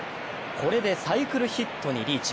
これでサイクルヒットにリーチ。